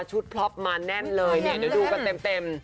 พล็อปมาแน่นเลยเนี่ยเดี๋ยวดูกันเต็ม